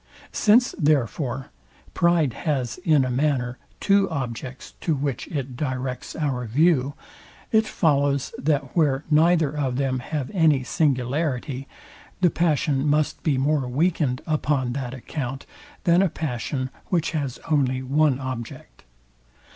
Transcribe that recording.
Since, therefore, pride has in a manner two objects, to which it directs our view; it follows, that where neither of them have any singularity, the passion must be more weakened upon that account, than a passion, which has only one object.